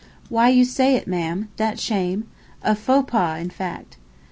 'Why you say it, ma'am? that shame'—a faux pas in fact.